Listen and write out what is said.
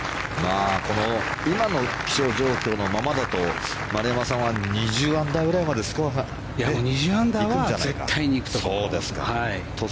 この今の気象状況のままだと丸山さんは２０アンダーぐらいまでスコアが行くんじゃないかと。